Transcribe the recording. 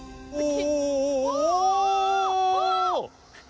お！